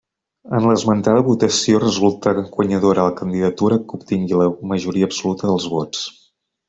En l'esmentada votació resulta guanyadora la candidatura que obtingui la majoria absoluta dels vots.